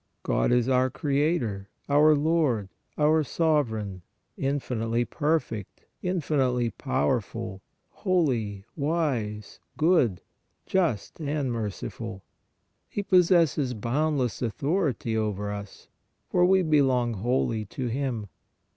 God is our Creator, our Lord, our Sovereign, infinitely perfect, infinitely powerful, holy, wise, good, just and merciful. He possesses boundless authority over us, for we belong wholly to Him.